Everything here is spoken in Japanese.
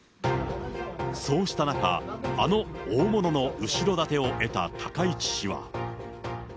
そうした中、あの大物の後ろ盾を得た高市氏は。